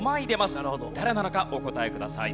誰なのかお答えください。